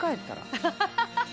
「アハハハ！